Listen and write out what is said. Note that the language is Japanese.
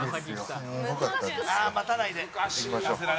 「ああ待たないで」